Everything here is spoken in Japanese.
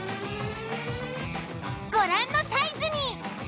ご覧のサイズに。